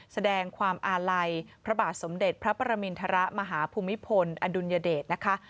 แสดงความอาลัยพระบาทสมเด็จพระประมินทรมาฮภูมิพลอดุลยเดชนะคะ